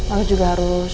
aku juga harus